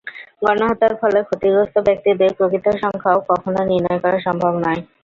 গণহত্যার ফলে ক্ষতিগ্রস্ত ব্যক্তিদের প্রকৃত সংখ্যাও কখনো নির্ণয় করা সম্ভব নয়।